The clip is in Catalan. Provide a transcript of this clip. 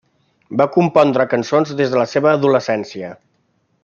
Va compondre cançons des de la seva adolescència.